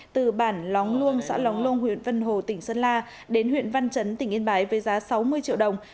từ bản lóng luông xã lóng luông huyện vân hồ tỉnh sơn la đến huyện văn chấn tỉnh yên bái với giá sáu mươi triệu đồng